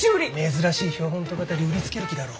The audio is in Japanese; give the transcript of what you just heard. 珍しい標本とかたり売りつける気だろう？